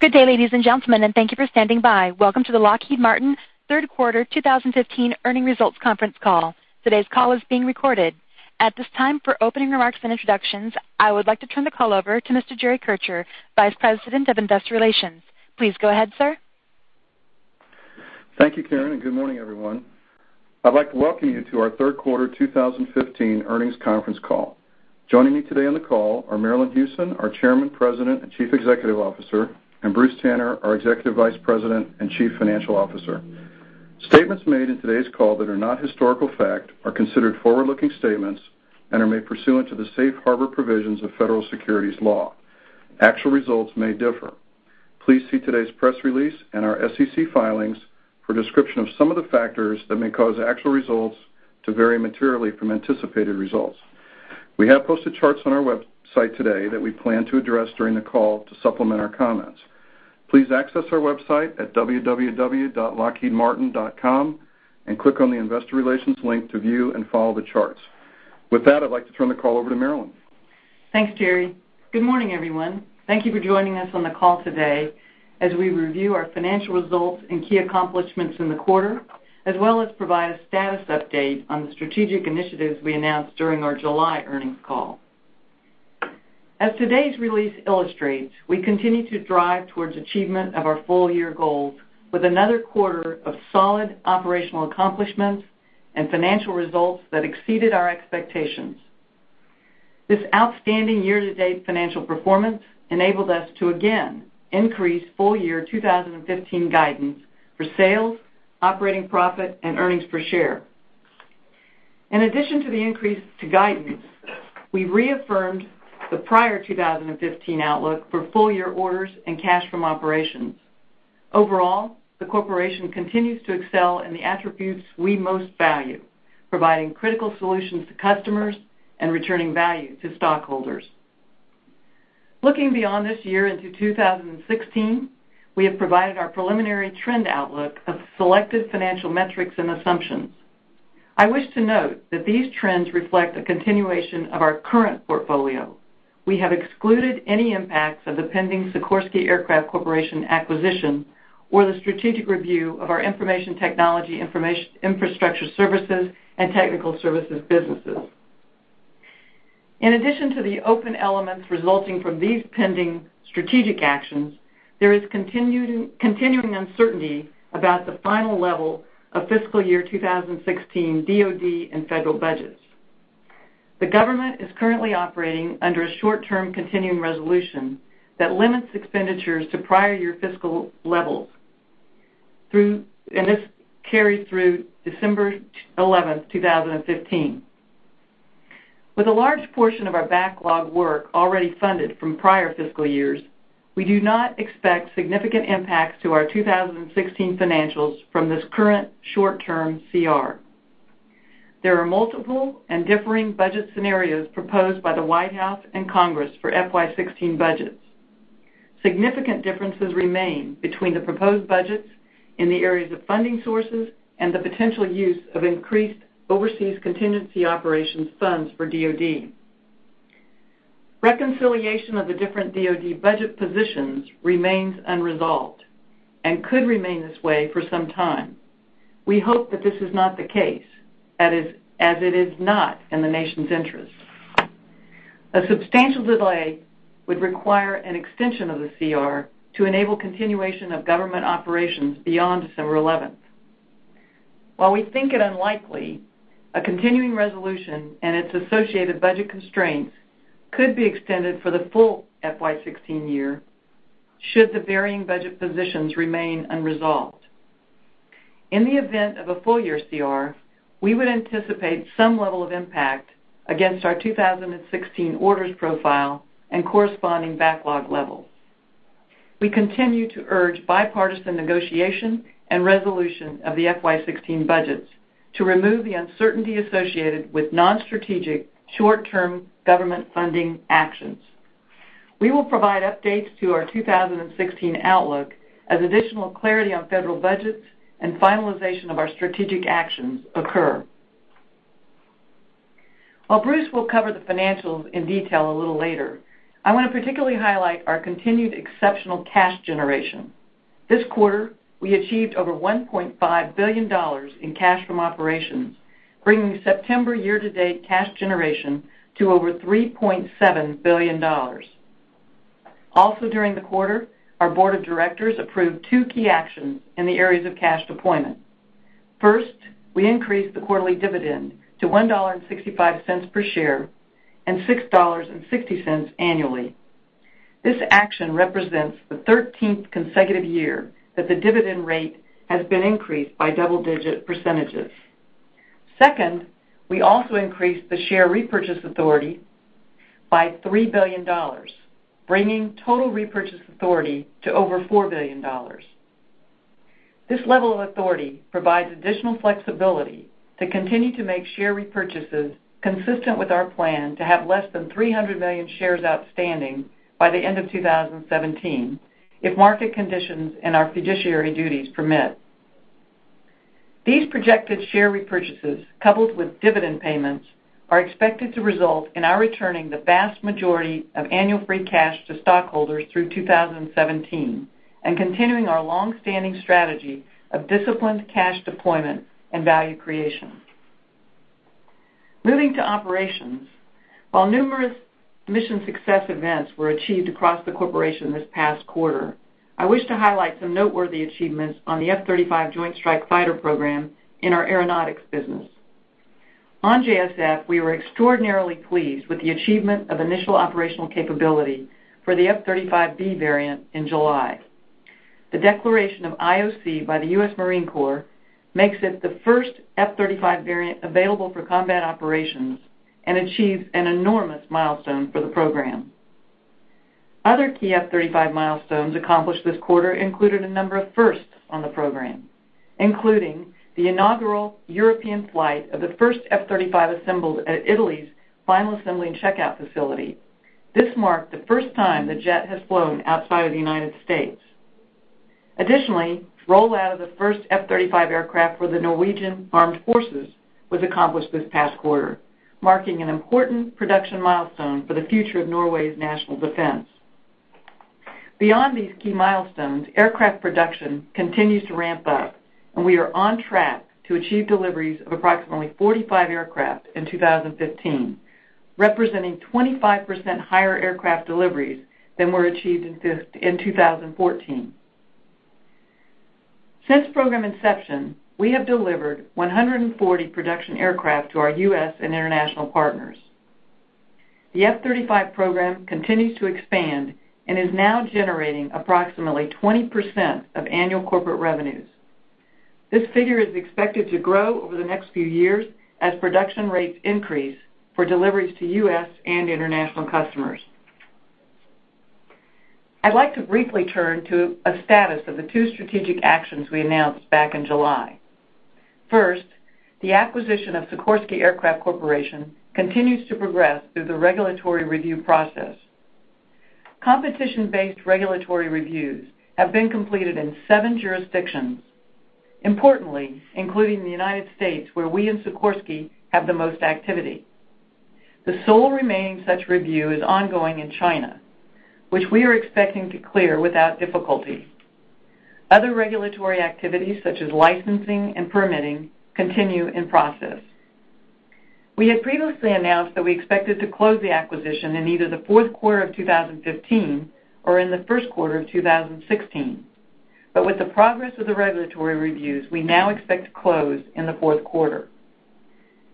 Good day, ladies and gentlemen. Thank you for standing by. Welcome to the Lockheed Martin third quarter 2015 earnings results conference call. Today's call is being recorded. At this time, for opening remarks and introductions, I would like to turn the call over to Mr. Jerry Kircher, Vice President of Investor Relations. Please go ahead, sir. Thank you, Karen. Good morning, everyone. I'd like to welcome you to our third quarter 2015 earnings conference call. Joining me today on the call are Marillyn Hewson, our Chairman, President, and Chief Executive Officer, and Bruce Tanner, our Executive Vice President and Chief Financial Officer. Statements made in today's call that are not historical fact are considered forward-looking statements and are made pursuant to the safe harbor provisions of federal securities law. Actual results may differ. Please see today's press release and our SEC filings for a description of some of the factors that may cause actual results to vary materially from anticipated results. We have posted charts on our website today that we plan to address during the call to supplement our comments. Please access our website at www.lockheedmartin.com and click on the Investor Relations link to view and follow the charts. With that, I'd like to turn the call over to Marillyn. Thanks, Jerry. Good morning, everyone. Thank you for joining us on the call today as we review our financial results and key accomplishments in the quarter, as well as provide a status update on the strategic initiatives we announced during our July earnings call. As today's release illustrates, we continue to drive towards achievement of our full-year goals with another quarter of solid operational accomplishments and financial results that exceeded our expectations. This outstanding year-to-date financial performance enabled us to again increase full-year 2015 guidance for sales, operating profit, and earnings per share. In addition to the increase to guidance, we reaffirmed the prior 2015 outlook for full-year orders and cash from operations. Overall, the corporation continues to excel in the attributes we most value, providing critical solutions to customers and returning value to stockholders. Looking beyond this year into 2016, we have provided our preliminary trend outlook of selected financial metrics and assumptions. I wish to note that these trends reflect a continuation of our current portfolio. We have excluded any impacts of the pending Sikorsky Aircraft Corporation acquisition or the strategic review of our information technology infrastructure services and technical services businesses. In addition to the open elements resulting from these pending strategic actions, there is continuing uncertainty about the final level of fiscal year 2016 DOD and federal budgets. The government is currently operating under a short-term continuing resolution that limits expenditures to prior year fiscal levels, and this carries through December 11th, 2015. With a large portion of our backlog work already funded from prior fiscal years, we do not expect significant impacts to our 2016 financials from this current short-term CR. There are multiple and differing budget scenarios proposed by the White House and Congress for FY 2016 budgets. Significant differences remain between the proposed budgets in the areas of funding sources and the potential use of increased overseas contingency operations funds for DOD. Reconciliation of the different DOD budget positions remains unresolved and could remain this way for some time. We hope that this is not the case, as it is not in the nation's interest. A substantial delay would require an extension of the CR to enable continuation of government operations beyond December 11th. While we think it unlikely, a continuing resolution and its associated budget constraints could be extended for the full FY 2016 year should the varying budget positions remain unresolved. In the event of a full-year CR, we would anticipate some level of impact against our 2016 orders profile and corresponding backlog levels. We continue to urge bipartisan negotiation and resolution of the FY 2016 budgets to remove the uncertainty associated with non-strategic, short-term government funding actions. We will provide updates to our 2016 outlook as additional clarity on federal budgets and finalization of our strategic actions occur. While Bruce will cover the financials in detail a little later, I want to particularly highlight our continued exceptional cash generation. This quarter, we achieved over $1.5 billion in cash from operations, bringing September year-to-date cash generation to over $3.7 billion. Also during the quarter, our board of directors approved two key actions in the areas of cash deployment. First, we increased the quarterly dividend to $1.65 per share and $6.60 annually. This action represents the 13th consecutive year that the dividend rate has been increased by double-digit %. Second, we also increased the share repurchase authority by $3 billion, bringing total repurchase authority to over $4 billion. This level of authority provides additional flexibility to continue to make share repurchases consistent with our plan to have less than 300 million shares outstanding by the end of 2017 if market conditions and our fiduciary duties permit. These projected share repurchases, coupled with dividend payments, are expected to result in our returning the vast majority of annual free cash to stockholders through 2017 and continuing our longstanding strategy of disciplined cash deployment and value creation. Moving to operations. While numerous mission success events were achieved across the corporation this past quarter, I wish to highlight some noteworthy achievements on the F-35 Joint Strike Fighter program in our Aeronautics business. On JSF, we were extraordinarily pleased with the achievement of initial operational capability for the F-35B variant in July. The declaration of IOC by the U.S. Marine Corps makes it the first F-35 variant available for combat operations and achieves an enormous milestone for the program. Other key F-35 milestones accomplished this quarter included a number of firsts on the program, including the inaugural European flight of the first F-35 assembled at Italy's final assembly and checkout facility. This marked the first time the jet has flown outside of the United States. Additionally, rollout of the first F-35 aircraft for the Norwegian Armed Forces was accomplished this past quarter, marking an important production milestone for the future of Norway's national defense. Beyond these key milestones, aircraft production continues to ramp up, and we are on track to achieve deliveries of approximately 45 aircraft in 2015, representing 25% higher aircraft deliveries than were achieved in 2014. Since program inception, we have delivered 140 production aircraft to our U.S. and international partners. The F-35 program continues to expand and is now generating approximately 20% of annual corporate revenues. This figure is expected to grow over the next few years as production rates increase for deliveries to U.S. and international customers. I'd like to briefly turn to a status of the two strategic actions we announced back in July. First, the acquisition of Sikorsky Aircraft Corporation continues to progress through the regulatory review process. Competition-based regulatory reviews have been completed in seven jurisdictions, importantly, including the United States, where we and Sikorsky have the most activity. The sole remaining such review is ongoing in China, which we are expecting to clear without difficulty. Other regulatory activities, such as licensing and permitting, continue in process. We had previously announced that we expected to close the acquisition in either the fourth quarter of 2015 or in the first quarter of 2016. With the progress of the regulatory reviews, we now expect to close in the fourth quarter.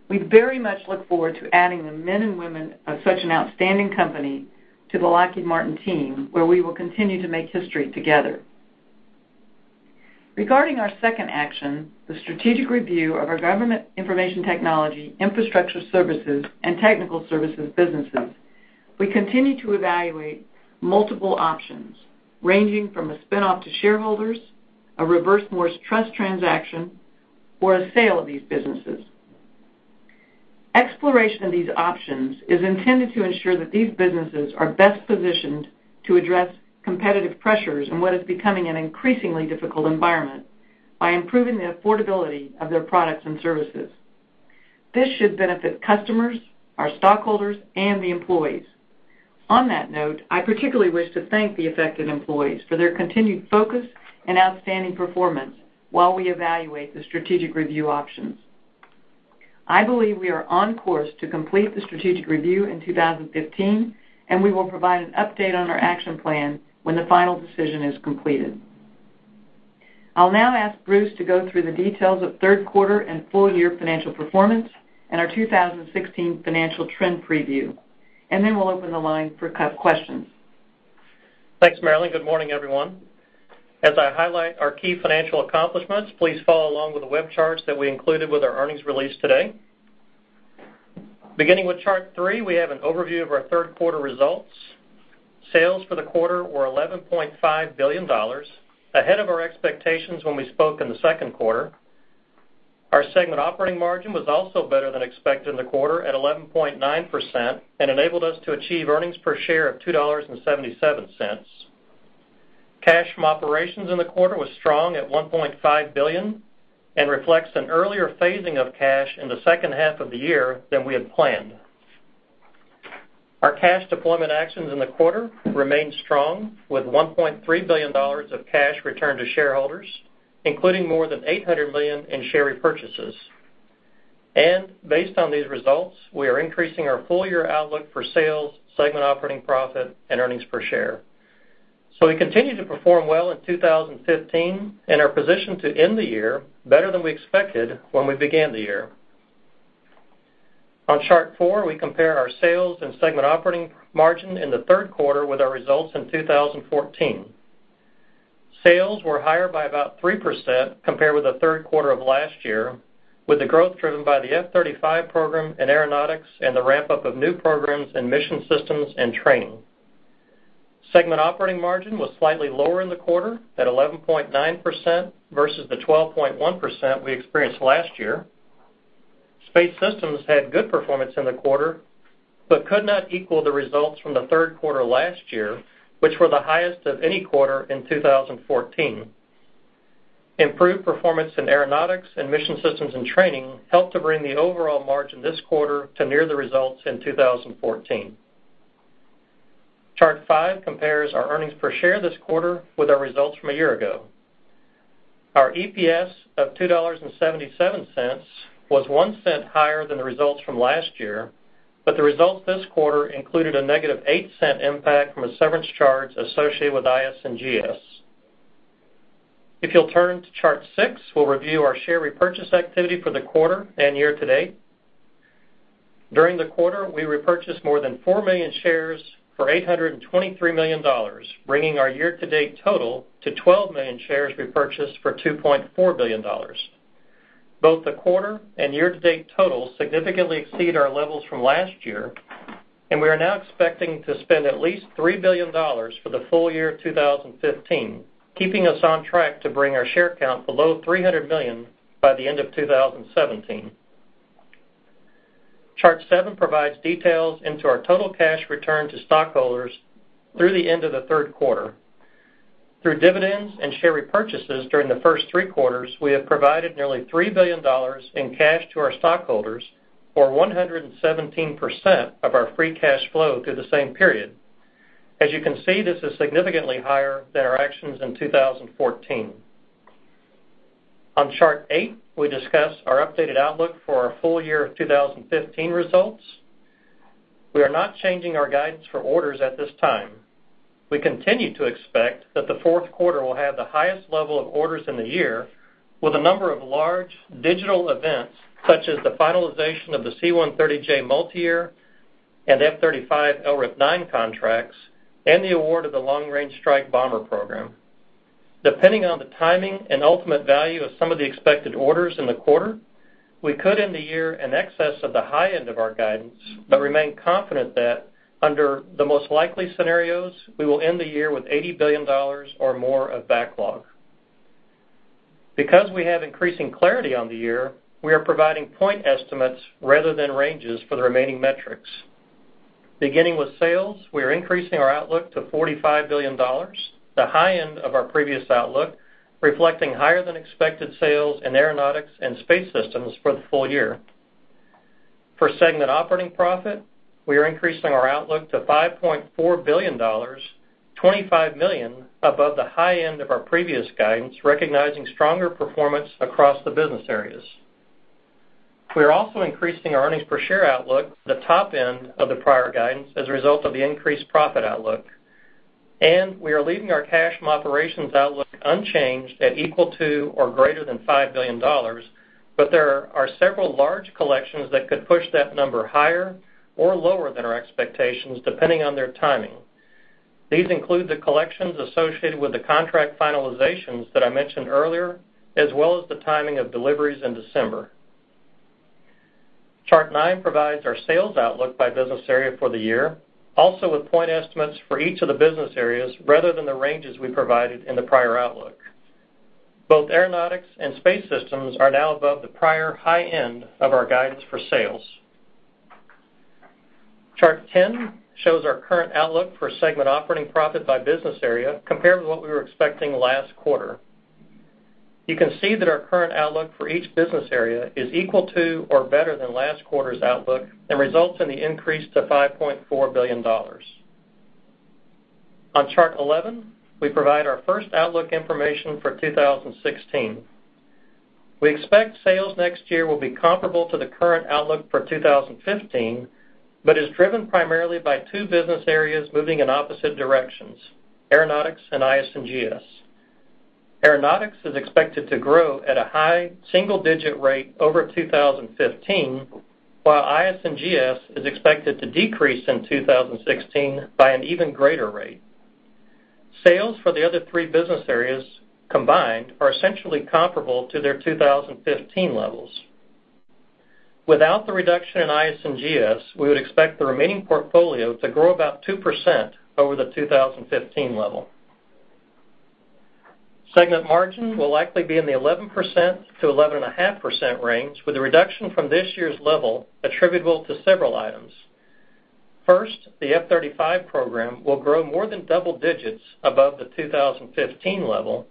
We very much look forward to adding the men and women of such an outstanding company to the Lockheed Martin team, where we will continue to make history together. Regarding our second action, the strategic review of our government information technology infrastructure services and technical services businesses, we continue to evaluate multiple options, ranging from a spin-off to shareholders, a Reverse Morris Trust transaction, or a sale of these businesses. Exploration of these options is intended to ensure that these businesses are best positioned to address competitive pressures in what is becoming an increasingly difficult environment by improving the affordability of their products and services. This should benefit customers, our stockholders, and the employees. On that note, I particularly wish to thank the affected employees for their continued focus and outstanding performance while we evaluate the strategic review options. I believe we are on course to complete the strategic review in 2015, and we will provide an update on our action plan when the final decision is completed. I'll now ask Bruce to go through the details of third quarter and full-year financial performance and our 2016 financial trend preview. We'll open the line for questions. Thanks, Marillyn. Good morning, everyone. As I highlight our key financial accomplishments, please follow along with the web charts that we included with our earnings release today. Beginning with Chart 3, we have an overview of our third quarter results. Sales for the quarter were $11.5 billion, ahead of our expectations when we spoke in the second quarter. Our segment operating margin was also better than expected in the quarter at 11.9% and enabled us to achieve earnings per share of $2.77. Cash from operations in the quarter was strong at $1.5 billion and reflects an earlier phasing of cash in the second half of the year than we had planned. Our cash deployment actions in the quarter remained strong with $1.3 billion of cash returned to shareholders, including more than $800 million in share repurchases. Based on these results, we are increasing our full-year outlook for sales, segment operating profit, and earnings per share. We continue to perform well in 2015 and are positioned to end the year better than we expected when we began the year. On Chart 4, we compare our sales and segment operating margin in the third quarter with our results in 2014. Sales were higher by about 3% compared with the third quarter of last year, with the growth driven by the F-35 program in Aeronautics and the ramp-up of new programs in Mission Systems and Training. Segment operating margin was slightly lower in the quarter at 11.9% versus the 12.1% we experienced last year. Space Systems had good performance in the quarter, but could not equal the results from the third quarter last year, which were the highest of any quarter in 2014. Improved performance in Aeronautics and Mission Systems and Training helped to bring the overall margin this quarter to near the results in 2014. Chart 5 compares our earnings per share this quarter with our results from a year ago. Our EPS of $2.77 was $0.01 higher than the results from last year, the results this quarter included a negative $0.08 impact from a severance charge associated with IS and GS. If you'll turn to Chart 6, we'll review our share repurchase activity for the quarter and year-to-date. During the quarter, we repurchased more than 4 million shares for $823 million, bringing our year-to-date total to 12 million shares repurchased for $2.4 billion. Both the quarter and year-to-date totals significantly exceed our levels from last year, we are now expecting to spend at least $3 billion for the full year of 2015, keeping us on track to bring our share count below 300 million by the end of 2017. Chart 7 provides details into our total cash return to stockholders through the end of the third quarter. Through dividends and share repurchases during the first three quarters, we have provided nearly $3 billion in cash to our stockholders, or 117% of our free cash flow through the same period. As you can see, this is significantly higher than our actions in 2014. On Chart 8, we discuss our updated outlook for our full year 2015 results. We are not changing our guidance for orders at this time. We continue to expect that the fourth quarter will have the highest level of orders in the year with a number of large deal events, such as the finalization of the C-130J multiyear and F-35 LRIP-9 contracts and the award of the Long Range Strike Bomber program. Depending on the timing and ultimate value of some of the expected orders in the quarter, we could end the year in excess of the high end of our guidance, but remain confident that under the most likely scenarios, we will end the year with $80 billion or more of backlog. We have increasing clarity on the year, we are providing point estimates rather than ranges for the remaining metrics. Beginning with sales, we are increasing our outlook to $45 billion, the high end of our previous outlook, reflecting higher than expected sales in Aeronautics and Space Systems for the full year. For segment operating profit, we are increasing our outlook to $5.4 billion, $25 million above the high end of our previous guidance, recognizing stronger performance across the business areas. We are also increasing our earnings per share outlook to the top end of the prior guidance as a result of the increased profit outlook. We are leaving our cash from operations outlook unchanged at equal to or greater than $5 billion, there are several large collections that could push that number higher or lower than our expectations, depending on their timing. These include the collections associated with the contract finalizations that I mentioned earlier, as well as the timing of deliveries in December. Chart nine provides our sales outlook by business area for the year, also with point estimates for each of the business areas rather than the ranges we provided in the prior outlook. Both Aeronautics and Space Systems are now above the prior high end of our guidance for sales. Chart 10 shows our current outlook for segment operating profit by business area compared with what we were expecting last quarter. You can see that our current outlook for each business area is equal to or better than last quarter's outlook and results in the increase to $5.4 billion. On chart 11, we provide our first outlook information for 2016. We expect sales next year will be comparable to the current outlook for 2015, is driven primarily by two business areas moving in opposite directions, Aeronautics and IS and GS. Aeronautics is expected to grow at a high single-digit rate over 2015, while IS and GS is expected to decrease in 2016 by an even greater rate. Sales for the other three business areas combined are essentially comparable to their 2015 levels. Without the reduction in IS and GS, we would expect the remaining portfolio to grow about 2% over the 2015 level. Segment margin will likely be in the 11%-11.5% range with a reduction from this year's level attributable to several items. First, the F-35 program will grow more than double digits above the 2015 level.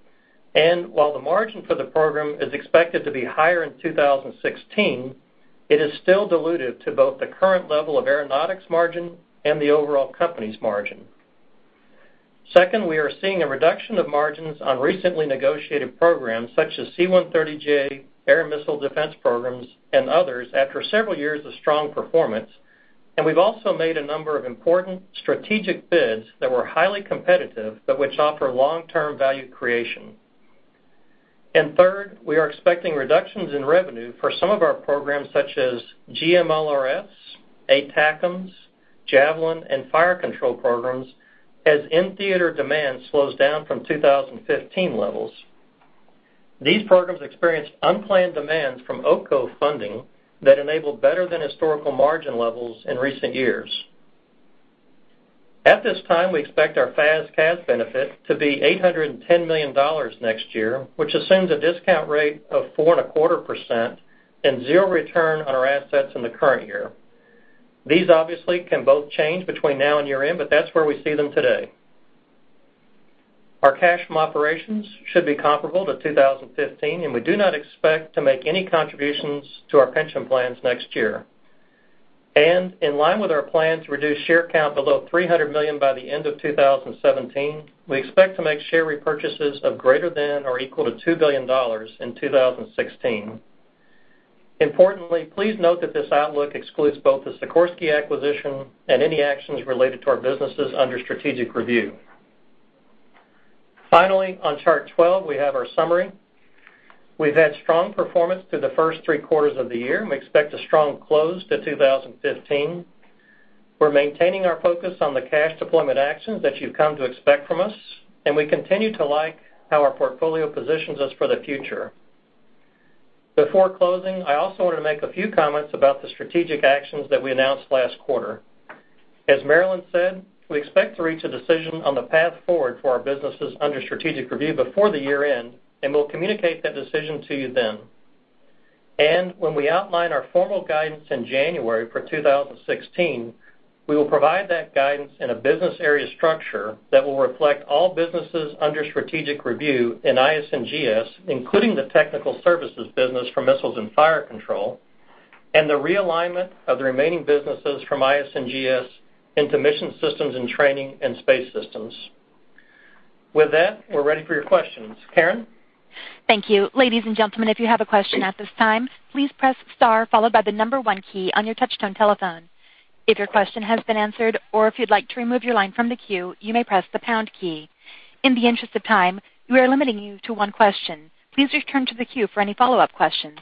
While the margin for the program is expected to be higher in 2016, it is still dilutive to both the current level of Aeronautics' margin and the overall company's margin. Second, we are seeing a reduction of margins on recently negotiated programs such as C-130J, Air and Missile Defense programs, and others after several years of strong performance, we've also made a number of important strategic bids that were highly competitive, which offer long-term value creation. Third, we are expecting reductions in revenue for some of our programs, such as GMLRS, ATACMS, Javelin, and fire control programs, as in-theater demand slows down from 2015 levels. These programs experienced unplanned demands from OCO funding that enabled better than historical margin levels in recent years. At this time, we expect our FAS/CAS benefit to be $810 million next year, which assumes a discount rate of 4.25% and zero return on our assets in the current year. These obviously can both change between now and year-end, but that's where we see them today. Our cash from operations should be comparable to 2015, and we do not expect to make any contributions to our pension plans next year. In line with our plan to reduce share count below 300 million by the end of 2017, we expect to make share repurchases of greater than or equal to $2 billion in 2016. Importantly, please note that this outlook excludes both the Sikorsky acquisition and any actions related to our businesses under strategic review. Finally, on Chart 12, we have our summary. We've had strong performance through the first three quarters of the year, and we expect a strong close to 2015. We're maintaining our focus on the cash deployment actions that you've come to expect from us, and we continue to like how our portfolio positions us for the future. Before closing, I also want to make a few comments about the strategic actions that we announced last quarter. As Marillyn said, we expect to reach a decision on the path forward for our businesses under strategic review before the year-end, and we'll communicate that decision to you then. When we outline our formal guidance in January for 2016, we will provide that guidance in a business area structure that will reflect all businesses under strategic review in IS&GS, including the technical services business for Missiles and Fire Control, and the realignment of the remaining businesses from IS&GS into Mission Systems and Training and Space Systems. With that, we're ready for your questions. Karen? Thank you. Ladies and gentlemen, if you have a question at this time, please press star followed by the number 1 key on your touchtone telephone. If your question has been answered or if you'd like to remove your line from the queue, you may press the pound key. In the interest of time, we are limiting you to one question. Please return to the queue for any follow-up questions.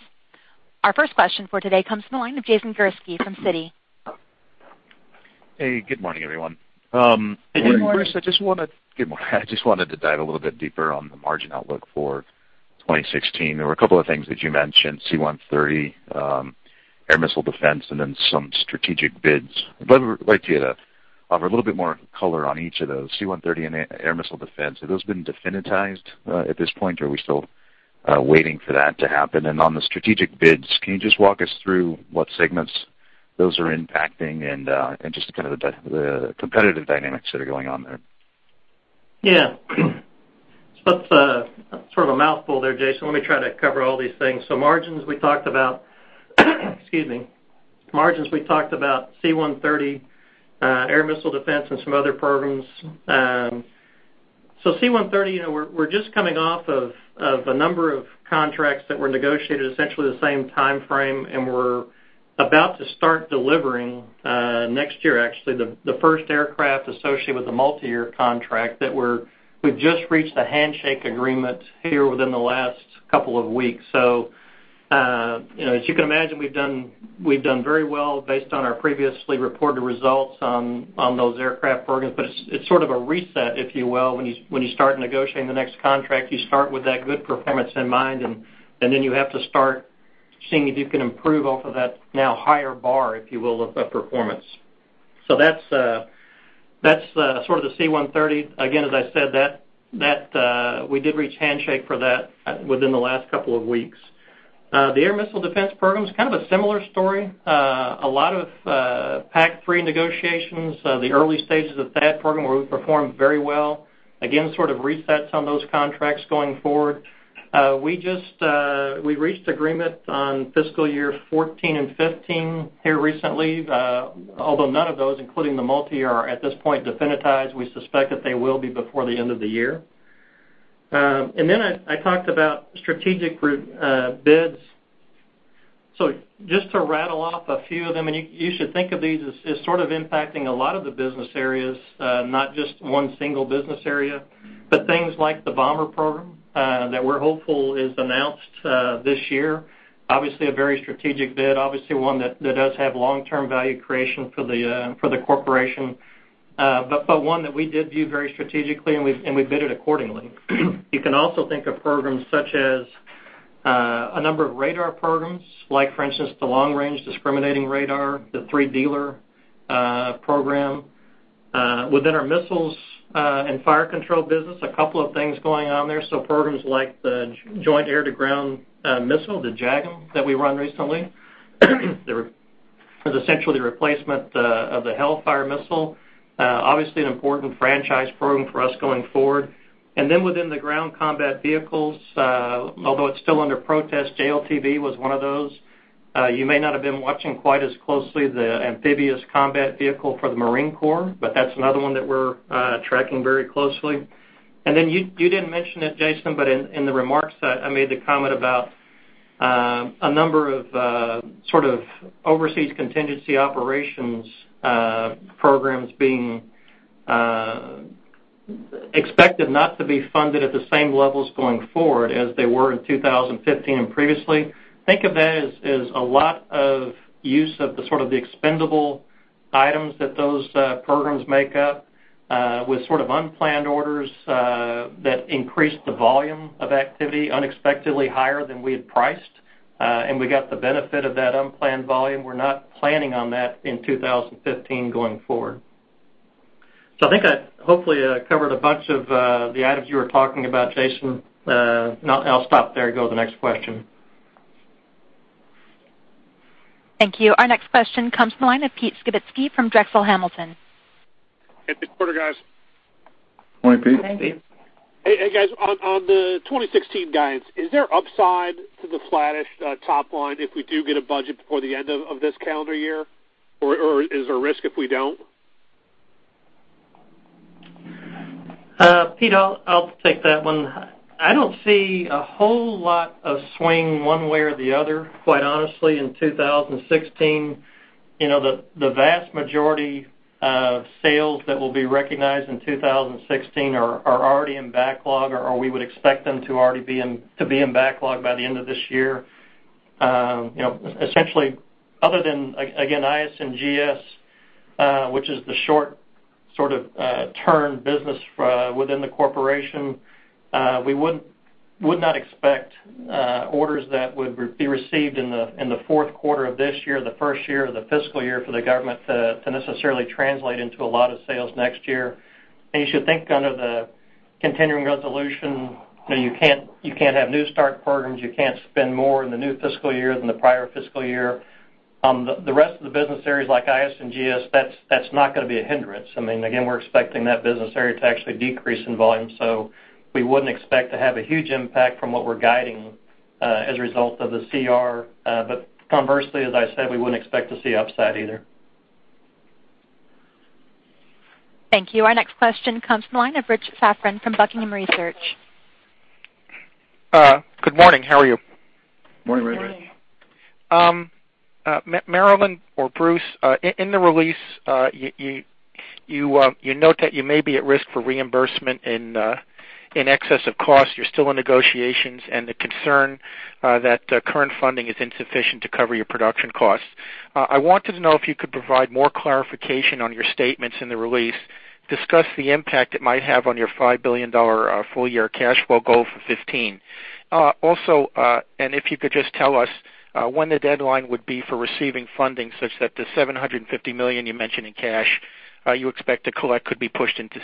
Our first question for today comes from the line of Jason Gursky from Citi. Hey, good morning, everyone. Good morning, Jason. I just wanted to dive a little bit deeper on the margin outlook for 2016. There were a couple of things that you mentioned, C-130, air missile defense, and then some strategic bids. I'd like you to offer a little bit more color on each of those. C-130 and air missile defense, have those been definitized at this point, or are we still waiting for that to happen? On the strategic bids, can you just walk us through what segments those are impacting and just kind of the competitive dynamics that are going on there? Yeah. That's sort of a mouthful there, Jason. Let me try to cover all these things. Margins, we talked about, C-130, air missile defense, and some other programs. C-130, we're just coming off of a number of contracts that were negotiated essentially the same timeframe, and we're about to start delivering, next year actually, the first aircraft associated with the multi-year contract that we've just reached a handshake agreement here within the last couple of weeks. As you can imagine, we've done very well based on our previously reported results on those aircraft programs. It's sort of a reset, if you will. When you start negotiating the next contract, you start with that good performance in mind, and then you have to start seeing if you can improve off of that now higher bar, if you will, of performance. That's sort of the C-130. As I said, we did reach handshake for that within the last couple of weeks. The air missile defense program is kind of a similar story. A lot of PAC-3 negotiations, the early stages of that program where we've performed very well. Again, sort of resets on those contracts going forward. We reached agreement on fiscal year 2014 and 2015 here recently. Although none of those, including the multi, are at this point definitized. We suspect that they will be before the end of the year. I talked about strategic bids. Just to rattle off a few of them, and you should think of these as sort of impacting a lot of the business areas, not just one single business area. Things like the bomber program, that we're hopeful is announced this year. Obviously, a very strategic bid. Obviously, one that does have long-term value creation for the corporation. One that we did view very strategically, and we bid it accordingly. You can also think of programs such as a number of radar programs, like for instance, the Long Range Discrimination Radar, the 3D program. Within our Missiles and Fire Control business, a couple of things going on there. Programs like the Joint Air-to-Ground Missile, the JAGM, that we won recently, is essentially the replacement of the Hellfire missile. Obviously, an important franchise program for us going forward. Within the ground combat vehicles, although it's still under protest, JLTV was one of those. You may not have been watching quite as closely the Amphibious Combat Vehicle for the Marine Corps, but that's another one that we're tracking very closely. You didn't mention it, Jason, but in the remarks, I made the comment about a number of sort of overseas contingency operations programs being expected not to be funded at the same levels going forward as they were in 2015 and previously. Think of that as a lot of use of the expendable items that those programs make up. With sort of unplanned orders that increased the volume of activity unexpectedly higher than we had priced, and we got the benefit of that unplanned volume. We're not planning on that in 2015 going forward. I think I hopefully covered a bunch of the items you were talking about, Jason. I'll stop there and go to the next question. Thank you. Our next question comes from the line of Peter Skibitski from Drexel Hamilton. Hey, good quarter, guys. Morning, Pete. Morning. Hey, guys. On the 2016 guidance, is there upside to the flattish top line if we do get a budget before the end of this calendar year? Is there risk if we don't? Pete, I'll take that one. I don't see a whole lot of swing one way or the other, quite honestly, in 2016. The vast majority of sales that will be recognized in 2016 are already in backlog, or we would expect them to already be in backlog by the end of this year. Essentially, other than, again, IS and GS, which is the short-term business within the corporation, we would not expect orders that would be received in the fourth quarter of this year, the first year of the fiscal year for the government, to necessarily translate into a lot of sales next year. You should think under the continuing resolution, you can't have new start programs. You can't spend more in the new fiscal year than the prior fiscal year. The rest of the business areas like IS and GS, that's not going to be a hindrance. Again, we're expecting that business area to actually decrease in volume. We wouldn't expect to have a huge impact from what we're guiding as a result of the CR. Conversely, as I said, we wouldn't expect to see upside either. Thank you. Our next question comes from the line of Richard Safran from Buckingham Research. Good morning. How are you? Morning, Rich. Marillyn or Bruce, in the release, you note that you may be at risk for reimbursement in excess of cost. You're still in negotiations, the concern that current funding is insufficient to cover your production costs. I wanted to know if you could provide more clarification on your statements in the release, discuss the impact it might have on your $5 billion full-year cash flow goal for 2015. Also, if you could just tell us when the deadline would be for receiving funding such that the $750 million you mentioned in cash you expect to collect could be pushed into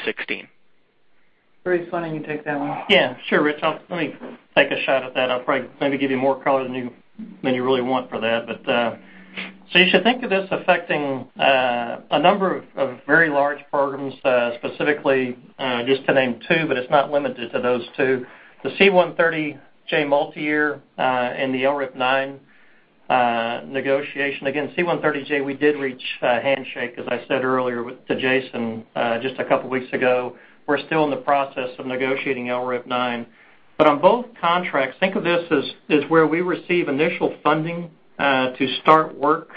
2016. Bruce, why don't you take that one? Yeah, sure, Rich. Let me take a shot at that. I'll probably maybe give you more color than you really want for that. You should think of this affecting a number of very large programs, specifically, just to name two, but it's not limited to those two. The C-130J multi-year and the LRIP-9 negotiation. Again, C-130J, we did reach a handshake, as I said earlier to Jason, just a couple of weeks ago. We're still in the process of negotiating LRIP-9. On both contracts, think of this as where we receive initial funding to start work.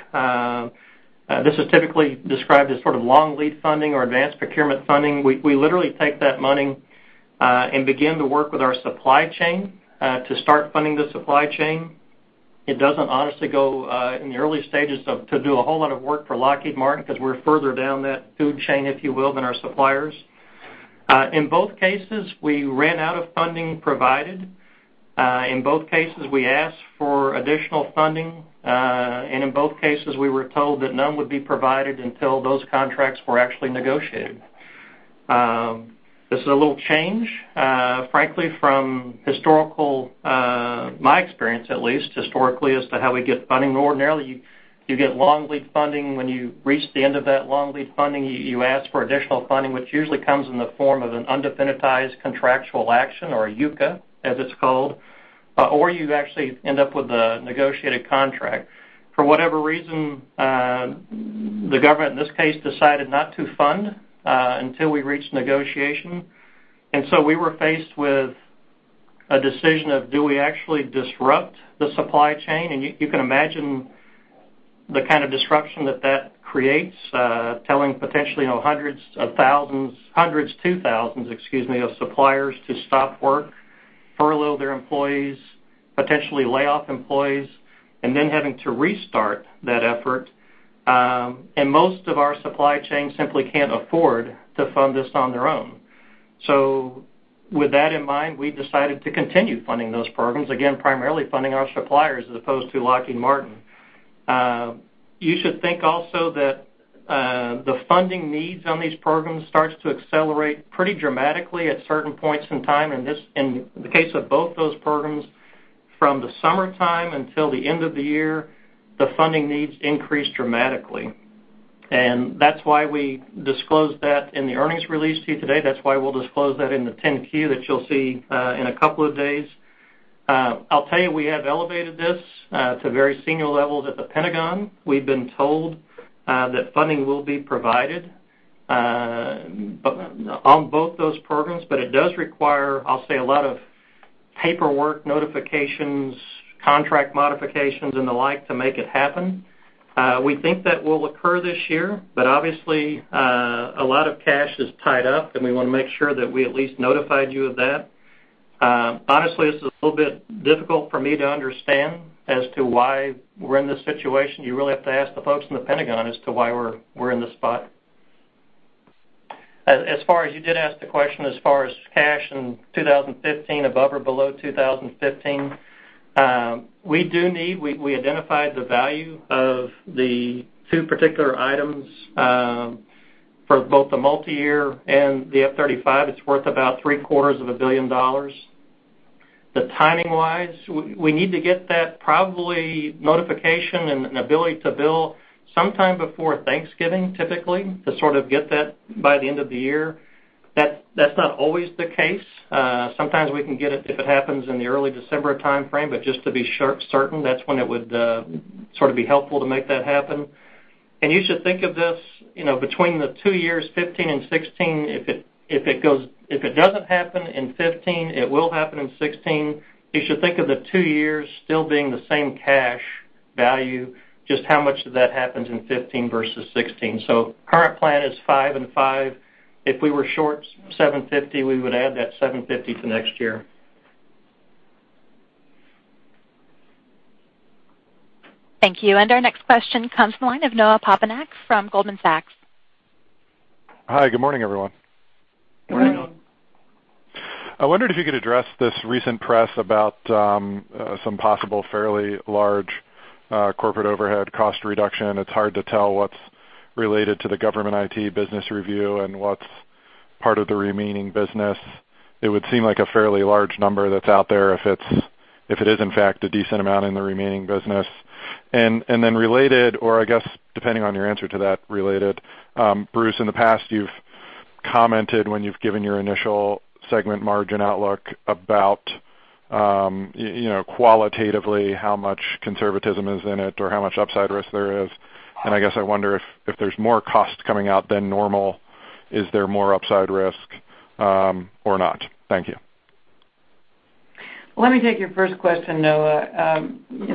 This is typically described as sort of long lead funding or advanced procurement funding. We literally take that money and begin to work with our supply chain to start funding the supply chain. It doesn't honestly go in the early stages to do a whole lot of work for Lockheed Martin because we're further down that food chain, if you will, than our suppliers. In both cases, we ran out of funding provided. In both cases, we asked for additional funding, in both cases, we were told that none would be provided until those contracts were actually negotiated. This is a little change, frankly, from historical, my experience at least, historically as to how we get funding. Ordinarily, you get long lead funding. When you reach the end of that long lead funding, you ask for additional funding, which usually comes in the form of an Undefinitized Contractual Action or a UCA, as it's called, or you actually end up with a negotiated contract. For whatever reason, the government in this case decided not to fund until we reached negotiation. We were faced with a decision of do we actually disrupt the supply chain? You can imagine the kind of disruption that that creates, telling potentially hundreds to thousands of suppliers to stop work, furlough their employees, potentially lay off employees, then having to restart that effort. Most of our supply chain simply can't afford to fund this on their own. With that in mind, we decided to continue funding those programs, again, primarily funding our suppliers as opposed to Lockheed Martin. You should think also that the funding needs on these programs starts to accelerate pretty dramatically at certain points in time. In the case of both those programs, from the summertime until the end of the year, the funding needs increased dramatically. That's why we disclosed that in the earnings release to you today. That's why we'll disclose that in the 10-Q that you'll see in a couple of days. I'll tell you, we have elevated this to very senior levels at the Pentagon. We've been told that funding will be provided on both those programs, but it does require, I'll say, a lot of paperwork, notifications, contract modifications, and the like to make it happen. We think that will occur this year, but obviously, a lot of cash is tied up, and we want to make sure that we at least notified you of that. Honestly, this is a little bit difficult for me to understand as to why we're in this situation. You really have to ask the folks in the Pentagon as to why we're in this spot. As far as you did ask the question as far as cash in 2015, above or below 2015, we identified the value of the two particular items, for both the multi-year and the F-35. It's worth about three-quarters of a billion dollars. The timing-wise, we need to get that probably notification and ability to bill sometime before Thanksgiving, typically, to sort of get that by the end of the year. That's not always the case. Sometimes we can get it if it happens in the early December timeframe, but just to be certain, that's when it would sort of be helpful to make that happen. You should think of this, between the two years, 2015 and 2016, if it doesn't happen in 2015, it will happen in 2016. You should think of the two years still being the same cash value, just how much of that happens in 2015 versus 2016. Current plan is five and five. If we were short $750, we would add that $750 to next year. Thank you. Our next question comes from the line of Noah Poponak from Goldman Sachs. Hi, good morning, everyone. Good morning. Good morning. I wondered if you could address this recent press about some possible fairly large corporate overhead cost reduction. It's hard to tell what's related to the government IT business review and what's part of the remaining business. It would seem like a fairly large number that's out there if it is, in fact, a decent amount in the remaining business. Then related, or I guess, depending on your answer to that, related, Bruce, in the past, you've commented when you've given your initial segment margin outlook about qualitatively how much conservatism is in it or how much upside risk there is. I guess I wonder if there's more cost coming out than normal. Is there more upside risk or not? Thank you. Let me take your first question, Noah.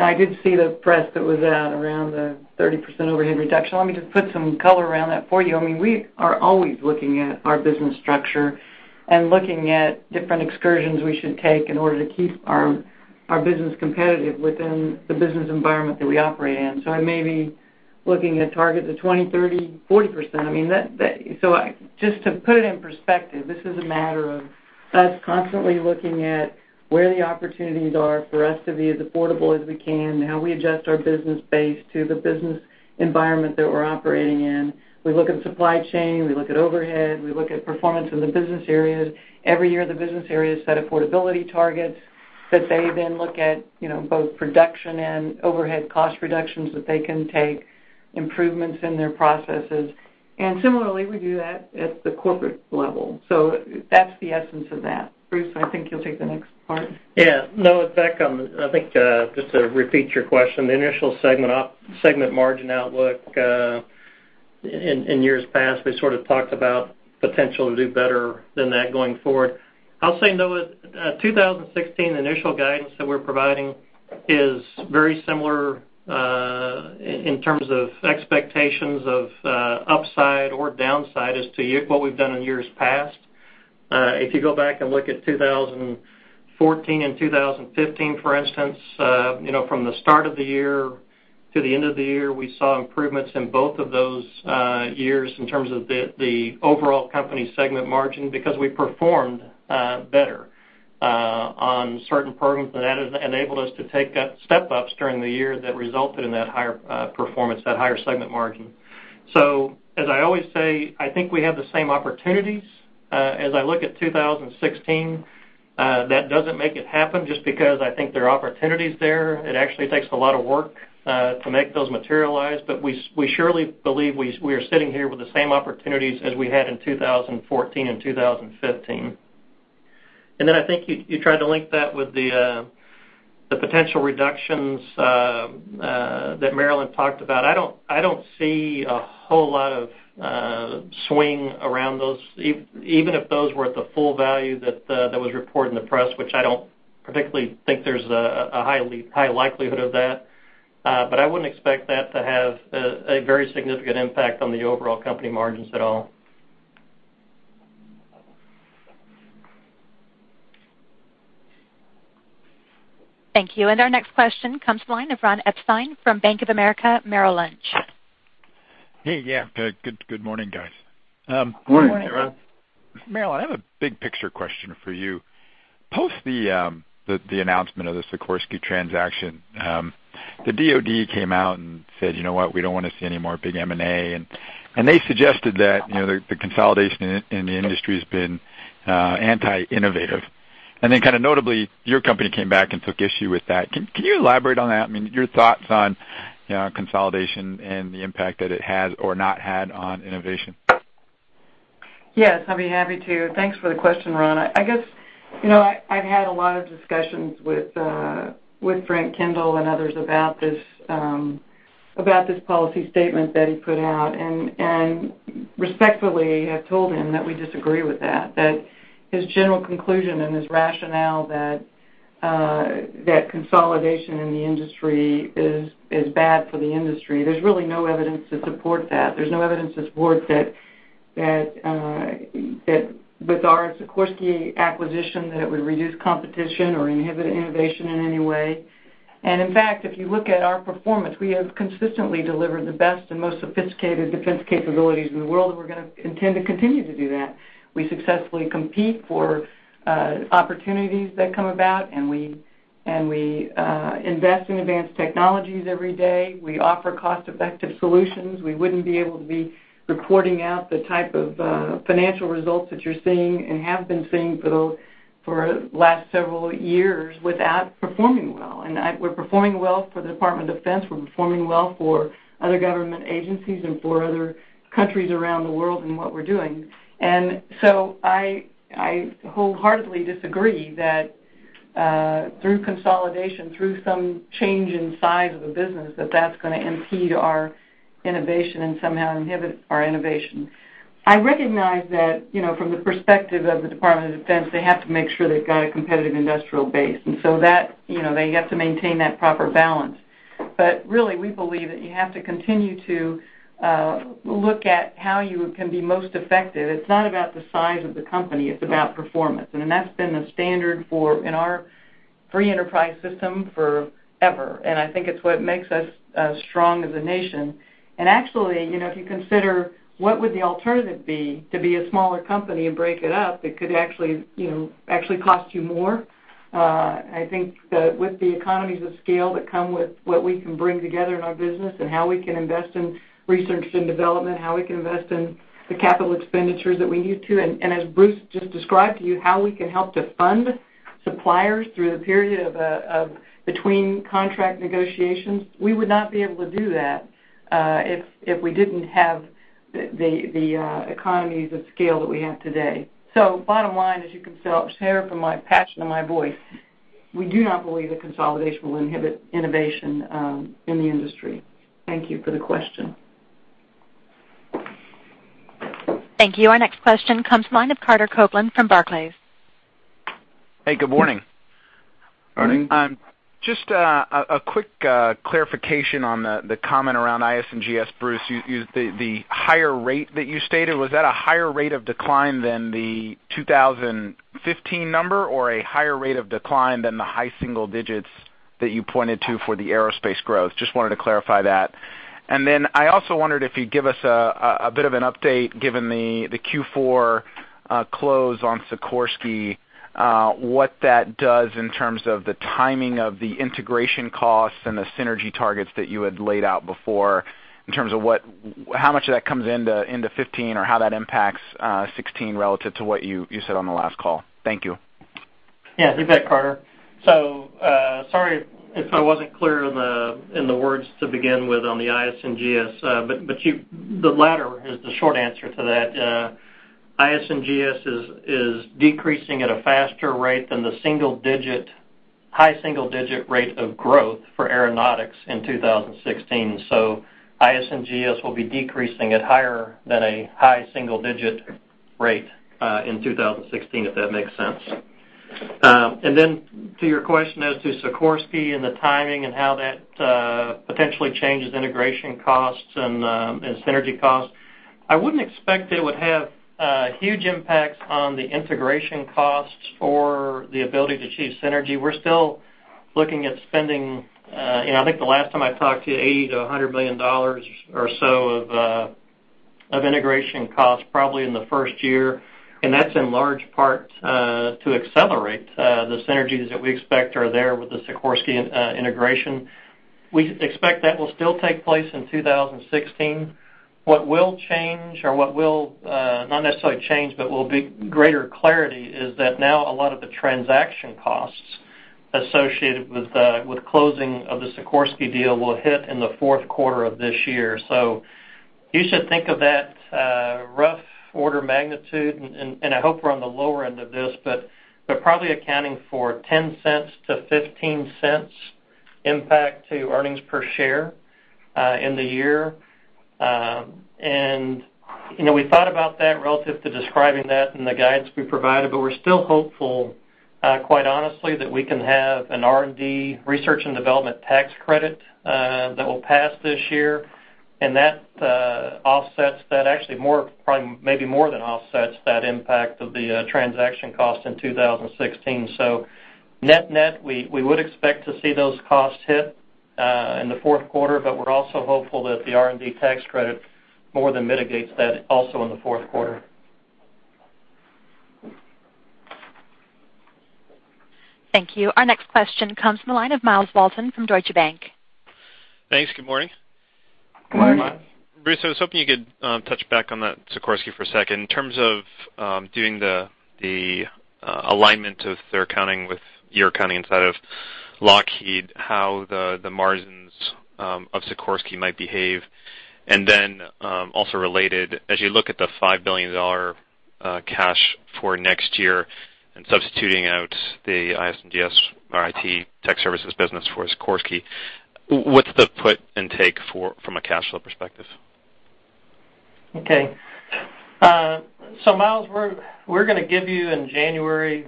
I did see the press that was out around the 30% overhead reduction. Let me just put some color around that for you. I may be looking at targets of 20, 30, 40%. Just to put it in perspective, this is a matter of us constantly looking at where the opportunities are for us to be as affordable as we can, how we adjust our business base to the business environment that we're operating in. We look at supply chain, we look at overhead, we look at performance in the business areas. Every year, the business areas set affordability targets that they then look at, both production and overhead cost reductions that they can take, improvements in their processes. Similarly, we do that at the corporate level. That's the essence of that. Bruce, I think you'll take the next part. Noah, back on, I think, just to repeat your question, the initial segment margin outlook, in years past, we sort of talked about potential to do better than that going forward. I'll say, Noah, 2016, the initial guidance that we're providing is very similar, in terms of expectations of upside or downside as to what we've done in years past. If you go back and look at 2014 and 2015, for instance, from the start of the year to the end of the year, we saw improvements in both of those years in terms of the overall company segment margin because we performed better on certain programs, and that has enabled us to take step-ups during the year that resulted in that higher performance, that higher segment margin. As I always say, I think we have the same opportunities. As I look at 2016, that doesn't make it happen just because I think there are opportunities there. It actually takes a lot of work to make those materialize. We surely believe we are sitting here with the same opportunities as we had in 2014 and 2015. I think you tried to link that with the potential reductions that Marillyn talked about. I don't see a whole lot of swing around those, even if those were at the full value that was reported in the press, which I don't particularly think there's a high likelihood of that. I wouldn't expect that to have a very significant impact on the overall company margins at all. Thank you. Our next question comes from the line of Ronald Epstein from Bank of America Merrill Lynch. Hey, yeah. Good morning, guys. Good morning, Ron. Good morning. Marillyn, I have a big picture question for you. Post the announcement of the Sikorsky transaction, the DoD came out and said, "You know what? We don't want to see any more big M&A." They suggested that the consolidation in the industry has been anti-innovative. Kind of notably, your company came back and took issue with that. Can you elaborate on that? Your thoughts on consolidation and the impact that it had or not had on innovation? Yes, I'd be happy to. Thanks for the question, Ron. I guess I've had a lot of discussions with Frank Kendall and others about this policy statement that he put out, respectfully have told him that we disagree with that his general conclusion and his rationale that That consolidation in the industry is bad for the industry. There's really no evidence to support that. There's no evidence to support that with our Sikorsky acquisition, that it would reduce competition or inhibit innovation in any way. In fact, if you look at our performance, we have consistently delivered the best and most sophisticated defense capabilities in the world, and we're going to intend to continue to do that. We successfully compete for opportunities that come about, and we invest in advanced technologies every day. We offer cost-effective solutions. We wouldn't be able to be reporting out the type of financial results that you're seeing and have been seeing for the last several years without performing well. We're performing well for the Department of Defense. We're performing well for other government agencies and for other countries around the world in what we're doing. I wholeheartedly disagree that through consolidation, through some change in size of the business, that that's going to impede our innovation and somehow inhibit our innovation. I recognize that, from the perspective of the Department of Defense, they have to make sure they've got a competitive industrial base, and so they have to maintain that proper balance. Really, we believe that you have to continue to look at how you can be most effective. It's not about the size of the company. It's about performance. That's been the standard in our free enterprise system forever. I think it's what makes us as strong as a nation. Actually, if you consider what would the alternative be to be a smaller company and break it up, it could actually cost you more. I think that with the economies of scale that come with what we can bring together in our business and how we can invest in research and development, how we can invest in the capital expenditures that we need to, and as Bruce just described to you, how we can help to fund suppliers through the period between contract negotiations, we would not be able to do that if we didn't have the economies of scale that we have today. Bottom line, as you can tell, Sarah, from my passion in my voice, we do not believe that consolidation will inhibit innovation in the industry. Thank you for the question. Thank you. Our next question comes from the line of Carter Copeland from Barclays. Hey, good morning. Good morning. Just a quick clarification on the comment around IS&GS, Bruce. The higher rate that you stated, was that a higher rate of decline than the 2015 number, or a higher rate of decline than the high single digits that you pointed to for the aerospace growth? Just wanted to clarify that. I also wondered if you'd give us a bit of an update, given the Q4 close on Sikorsky, what that does in terms of the timing of the integration costs and the synergy targets that you had laid out before in terms of how much of that comes into 2015 or how that impacts 2016 relative to what you said on the last call. Thank you. Yeah, you bet, Carter. Sorry if I wasn't clear in the words to begin with on the IS&GS. The latter is the short answer to that. IS&GS is decreasing at a faster rate than the high single-digit rate of growth for Aeronautics in 2016. IS&GS will be decreasing at higher than a high single-digit rate in 2016, if that makes sense. To your question as to Sikorsky and the timing and how that potentially changes integration costs and synergy costs, I wouldn't expect it would have huge impacts on the integration costs or the ability to achieve synergy. We're still looking at spending, I think the last time I talked to you, $80 million-$100 million or so of integration costs probably in the first year, and that's in large part to accelerate the synergies that we expect are there with the Sikorsky integration. We expect that will still take place in 2016. What will change or what will, not necessarily change, but will be greater clarity is that now a lot of the transaction costs associated with closing of the Sikorsky deal will hit in the fourth quarter of this year. You should think of that rough order of magnitude, and I hope we're on the lower end of this, but probably accounting for $0.10-$0.15 impact to earnings per share in the year. We thought about that relative to describing that in the guidance we provided, but we're still hopeful, quite honestly, that we can have an R&D, research and development tax credit that will pass this year, and that offsets that. Actually, maybe more than offsets that impact of the transaction cost in 2016. Net-net, we would expect to see those costs hit in the fourth quarter, but we're also hopeful that the R&D tax credit more than mitigates that also in the fourth quarter. Thank you. Our next question comes from the line of Myles Walton from Deutsche Bank. Thanks. Good morning. Good morning. Bruce, I was hoping you could touch back on that Sikorsky for a second. In terms of doing the alignment of their accounting with your accounting inside of Lockheed, how the margins of Sikorsky might behave. Also related, as you look at the $5 billion cash for next year and substituting out the IS&GS or IT tech services business for Sikorsky, what's the put and take from a cash flow perspective? Okay, Myles, we're going to give you in January,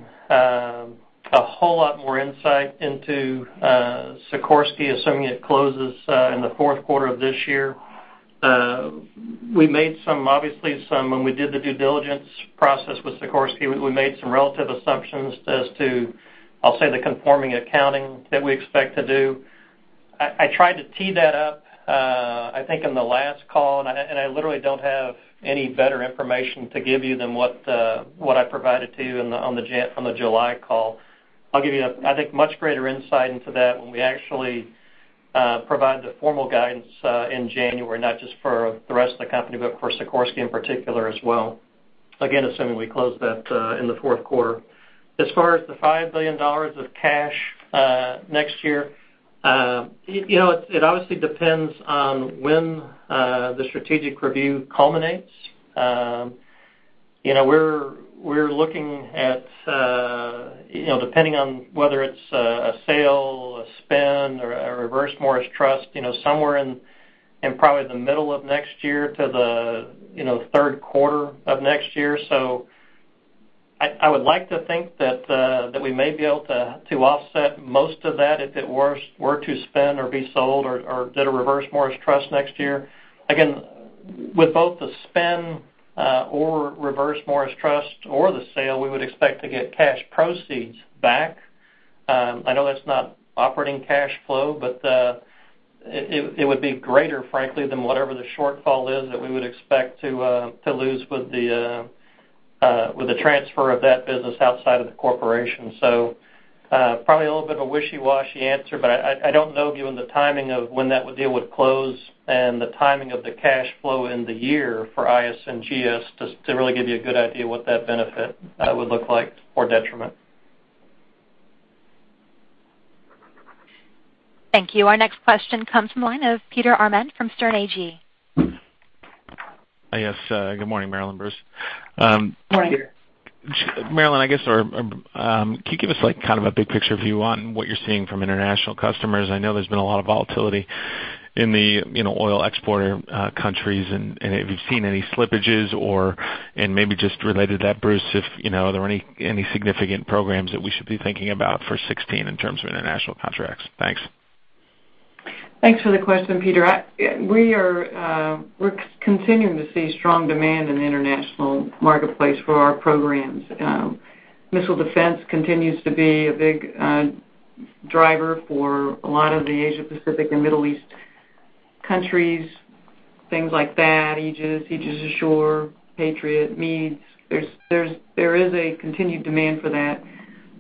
a whole lot more insight into Sikorsky, assuming it closes in the fourth quarter of this year. When we did the due diligence process with Sikorsky, we made some relative assumptions as to, I'll say, the conforming accounting that we expect to do. I tried to tee that up, I think, in the last call, and I literally don't have any better information to give you than what I provided to you on the July call. I'll give you, I think, much greater insight into that when we actually provide the formal guidance in January, not just for the rest of the company, but for Sikorsky in particular as well. Again, assuming we close that in the fourth quarter. As far as the $5 billion of cash next year, it obviously depends on when the strategic review culminates. We're looking at, depending on whether it's a sale, a spin, or a Reverse Morris Trust, somewhere in probably the middle of next year to the third quarter of next year. I would like to think that we may be able to offset most of that if it were to spin or be sold or did a Reverse Morris Trust next year. Again, with both the spin or Reverse Morris Trust or the sale, we would expect to get cash proceeds back. I know that's not operating cash flow, but it would be greater, frankly, than whatever the shortfall is that we would expect to lose with the transfer of that business outside of the corporation. Probably a little bit of a wishy-washy answer, but I don't know, given the timing of when that deal would close and the timing of the cash flow in the year for IS and GS to really give you a good idea what that benefit would look like or detriment. Thank you. Our next question comes from the line of Peter Arment from Sterne Agee. Yes. Good morning, Marillyn, Bruce. Morning, Peter. Marillyn, can you give us kind of a big picture view on what you're seeing from international customers? I know there's been a lot of volatility in the oil exporter countries, and if you've seen any slippages. Maybe just related to that, Bruce, are there any significant programs that we should be thinking about for 2016 in terms of international contracts? Thanks. Thanks for the question, Peter. We're continuing to see strong demand in the international marketplace for our programs. Missile defense continues to be a big driver for a lot of the Asia-Pacific and Middle East countries, things like THAAD, Aegis Ashore, Patriot, MEADS. There is a continued demand for that.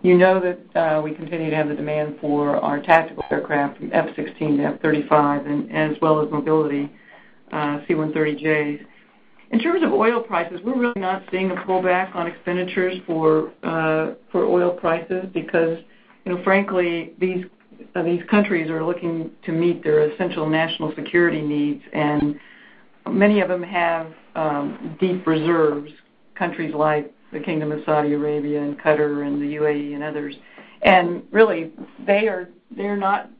You know that we continue to have the demand for our tactical aircraft from F-16 to F-35, as well as mobility, C-130Js. In terms of oil prices, we're really not seeing a pullback on expenditures for oil prices because, frankly, these countries are looking to meet their essential national security needs. Many of them have deep reserves, countries like the Kingdom of Saudi Arabia and Qatar and the UAE and others. Really,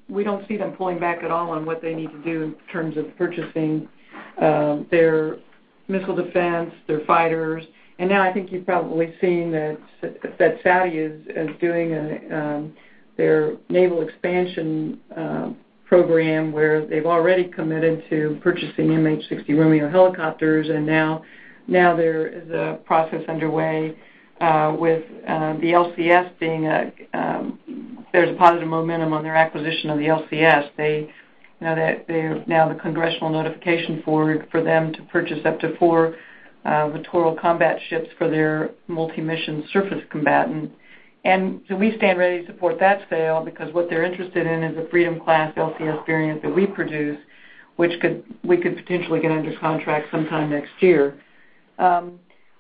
we don't see them pulling back at all on what they need to do in terms of purchasing their missile defense, their fighters. Now I think you've probably seen that Saudi is doing their Naval Expansion Program where they've already committed to purchasing MH-60R Romeo helicopters, and now there is a process underway with the LCS. There's a positive momentum on their acquisition of the LCS. Now the congressional notification for them to purchase up to four Littoral Combat Ships for their multi-mission surface combatant. We stand ready to support that sale because what they're interested in is a Freedom-class LCS variant that we produce, which we could potentially get under contract sometime next year.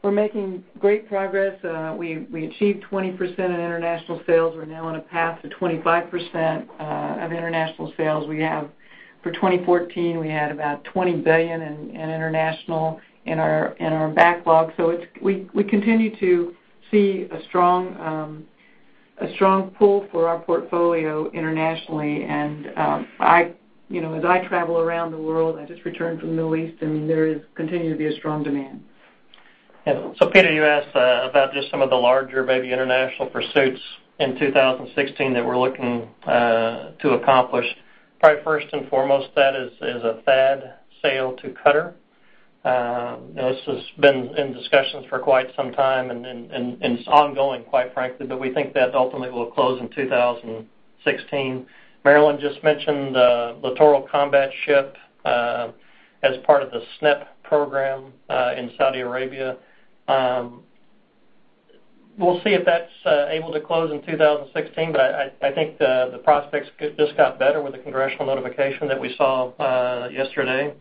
We're making great progress. We achieved 20% in international sales. We're now on a path to 25% of international sales. For 2014, we had about $20 billion in international in our backlog. We continue to see a strong pull for our portfolio internationally. As I travel around the world, I just returned from the Middle East, there continues to be a strong demand. Peter, you asked about just some of the larger, maybe international pursuits in 2016 that we're looking to accomplish. Probably first and foremost, that is a THAAD sale to Qatar. This has been in discussions for quite some time, and it's ongoing, quite frankly, but we think that ultimately will close in 2016. Marillyn just mentioned the Littoral Combat Ship as part of the SNEP program in Saudi Arabia. We'll see if that's able to close in 2016, but I think the prospects just got better with the Congressional notification that we saw yesterday.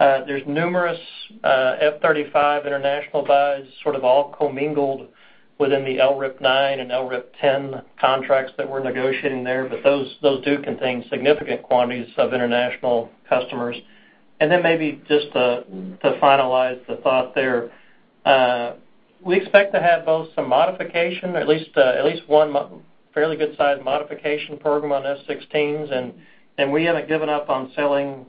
There's numerous F-35 international buys, sort of all commingled within the LRIP-9 and LRIP-10 contracts that we're negotiating there. Those do contain significant quantities of international customers. Maybe just to finalize the thought there We expect to have both some modification, at least one fairly good sized modification program on F-16s. We haven't given up on selling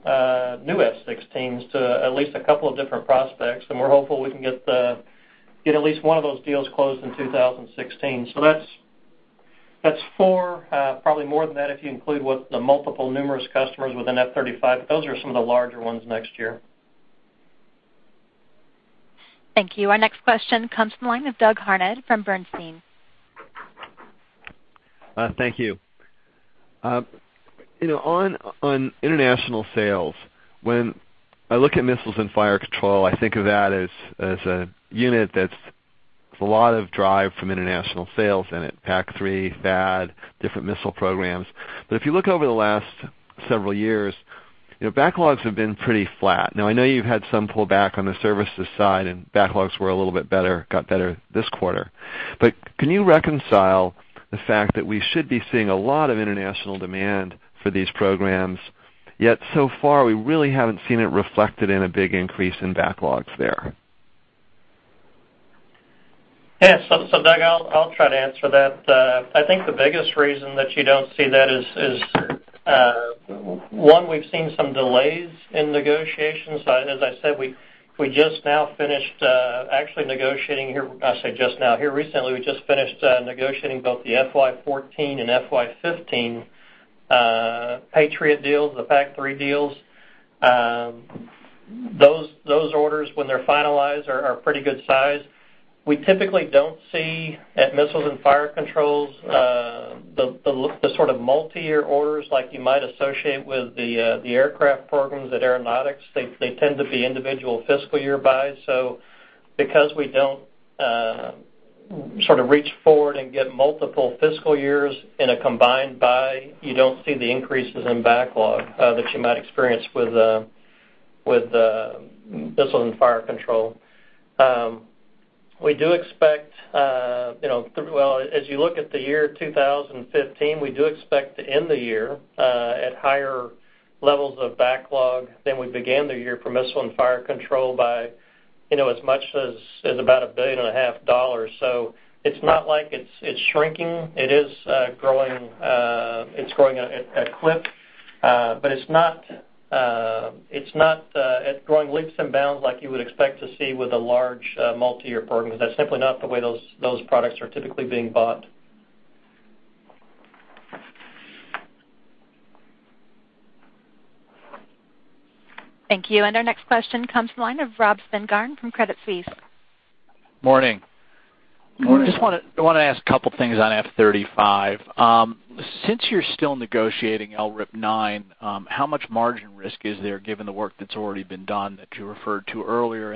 new F-16s to at least a couple of different prospects. We're hopeful we can get at least one of those deals closed in 2016. That's four, probably more than that if you include what the multiple numerous customers with an F-35. Those are some of the larger ones next year. Thank you. Our next question comes from the line of Doug Harned from Bernstein. Thank you. On international sales, when I look at Missiles and Fire Control, I think of that as a unit that's a lot of drive from international sales in it, PAC-3, THAAD, different missile programs. If you look over the last several years, backlogs have been pretty flat. I know you've had some pull back on the services side, backlogs were a little bit better, got better this quarter. Can you reconcile the fact that we should be seeing a lot of international demand for these programs, yet so far, we really haven't seen it reflected in a big increase in backlogs there? Yes. Doug, I'll try to answer that. I think the biggest reason that you don't see that is one, we've seen some delays in negotiations. As I said, we just now finished negotiating here, I say just now, here recently, we just finished negotiating both the FY 2014 and FY 2015 Patriot deals, the PAC-3 deals. Those orders when they're finalized are pretty good size. We typically don't see, at Missiles and Fire Control, the sort of multi-year orders like you might associate with the aircraft programs at Aeronautics. They tend to be individual fiscal year buys. Because we don't sort of reach forward and get multiple fiscal years in a combined buy, you don't see the increases in backlog that you might experience with Missiles and Fire Control. We do expect, as you look at the year 2015, we do expect to end the year at higher levels of backlog than we began the year for Missiles and Fire Control by as much as about a billion and a half dollars. It's not like it's shrinking. It is growing. It's growing at a clip. It's not growing leaps and bounds like you would expect to see with a large multi-year program. That's simply not the way those products are typically being bought. Thank you. Our next question comes from the line of Robert Spingarn from Credit Suisse. Morning. Morning. I just want to ask a couple of things on F-35. Since you're still negotiating LRIP-9, how much margin risk is there given the work that's already been done that you referred to earlier?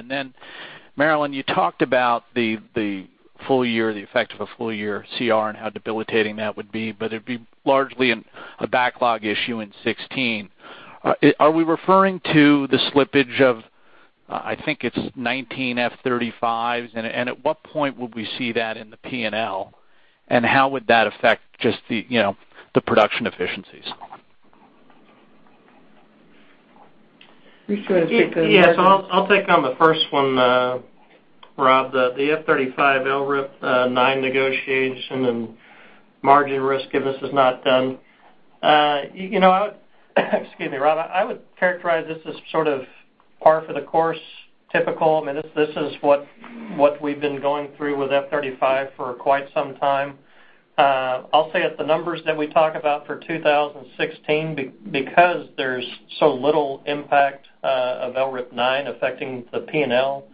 Marillyn, you talked about the effect of a full year CR and how debilitating that would be, but it'd be largely a backlog issue in 2016. Are we referring to the slippage of, I think it's 19 F-35s, and at what point would we see that in the P&L, and how would that affect just the production efficiencies? You go ahead and take that one. Yes, I'll take on the first one, Rob. The F-35 LRIP-9 negotiation and margin risk, if this is not done. Excuse me, Rob. I would characterize this as sort of par for the course, typical. I mean, this is what we've been going through with F-35 for quite some time. I'll say at the numbers that we talk about for 2016, because there's so little impact of LRIP-9 affecting the P&L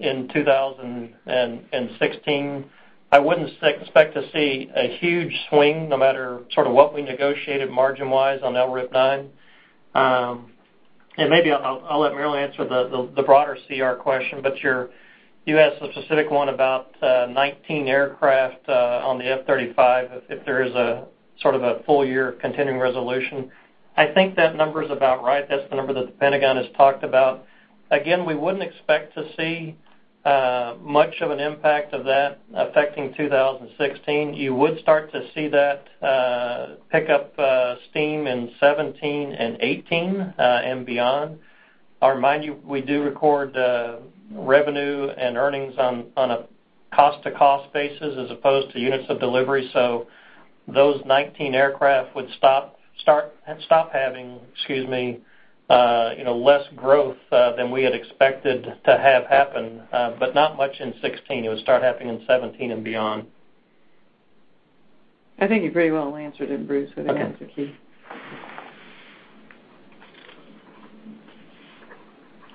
in 2016, I wouldn't expect to see a huge swing no matter sort of what we negotiated margin wise on LRIP-9. Maybe I'll let Marillyn answer the broader CR question, but you asked a specific one about 19 aircraft on the F-35, if there is a sort of a full year Continuing Resolution. I think that number's about right. That's the number that the Pentagon has talked about. Again, we wouldn't expect to see much of an impact of that affecting 2016. You would start to see that pick up steam in 2017 and 2018, and beyond. Mind you, we do record revenue and earnings on a cost-to-cost basis as opposed to units of delivery. Those 19 aircraft would stop having less growth than we had expected to have happen. But not much in 2016. It would start happening in 2017 and beyond. I think you pretty well answered it, Bruce, with that. Okay.